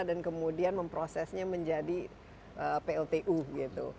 dan kemudian memprosesnya menjadi pltu gitu